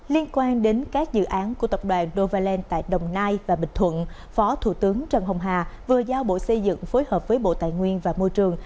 liên quan đến các dự án của tập đoàn novaland tại đồng nai và bình thuận phó thủ tướng trần hồng hà vừa giao bộ xây dựng phối hợp với bộ tài nguyên và môi trường